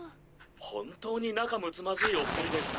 「本当になかむつまじいお二人です」。